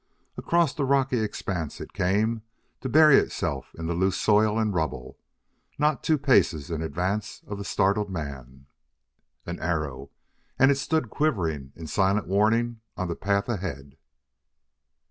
Across the rocky expanse it came, to bury itself in the loose soil and rubble, not two paces in advance of the startled man. An arrow! and it stood quivering in silent warning on the path ahead.